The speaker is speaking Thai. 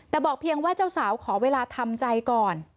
แต่บอกเพียงว่าเจ้าสาวขอเวลาทำใจก่อน